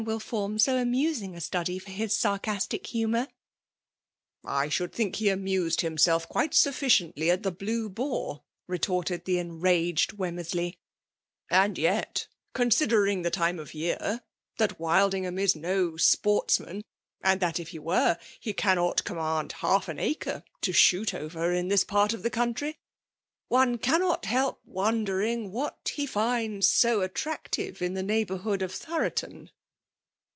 will fpnn so amusing a study for his sarcastic humour," " I should think he amused himself quite wnffiriwitly at the Blue Boar," retorted tbe enraged Wennneralej. And jet» eonasder ing the time of year, — ^that Wildingliam ia i» qportsman,— end that, if he were, he camiot flonnnand half an acre to riiooi over in tin* part of the conntry, one cannot help wonder^ ibg what he finds so vttractive in the neigh honrhood of Thoroton."